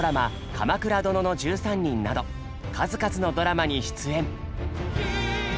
「鎌倉殿の１３人」など数々のドラマに出演。